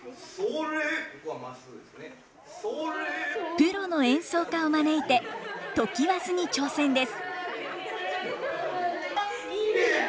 プロの演奏家を招いて常磐津に挑戦です。